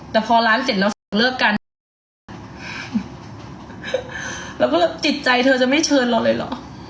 แต่พอร้านเสร็จเราสั่งเลิกกันแล้วก็แบบจิตใจเธอจะไม่เชิญเราเลยเหรอ